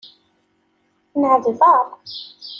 Nɛedbaṛ.